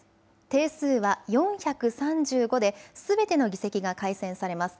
定数は４３５ですべての議席が改選されます。